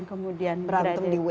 berantem di wa